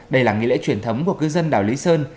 đây là nghi lễ truyền thống của cư dân đảo lý sơn